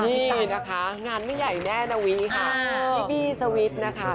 นี่พี่ไก่นะคะงานไม่ใหญ่แน่นะวิค่ะ